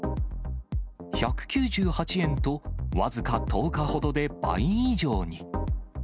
１９８円と、僅か１０日ほどで倍以上に。